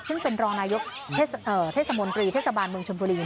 ซึ่งเป็นรองนายกเทศบาลเมืองชนปรี